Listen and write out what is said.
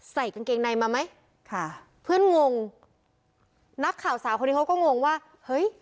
ใส่กางเกงในมาไหมค่ะเพื่อนงงนักข่าวสาวคนนี้เขาก็งงว่าเฮ้ย